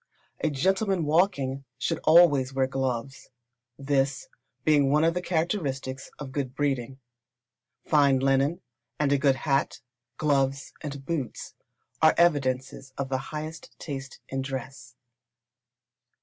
A gentleman walking, should always wear gloves, this being one of the characteristics of good breeding. Fine linen, and a good hat, gloves, and boots, are evidences of the highest taste in dress.